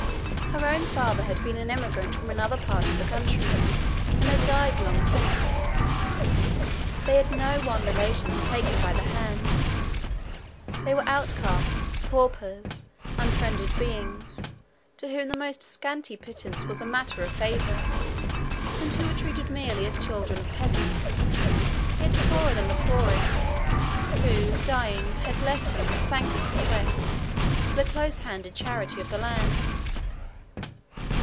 Her own father had been an emigrant from another part of the country, and had died long since: they had no one relation to take them by the hand; they were outcasts, paupers, unfriended beings, to whom the most scanty pittance was a matter of favour, and who were treated merely as children of peasants, yet poorer than the poorest, who, dying, had left them, a thankless bequest, to the close handed charity of the land.